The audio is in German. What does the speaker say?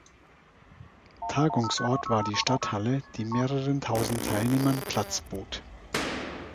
Tagungsort war die Stadthalle, die mehreren tausend Teilnehmern Platz bot.